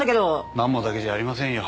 マンモだけじゃありませんよ。